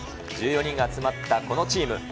１４人が集まったこのチーム。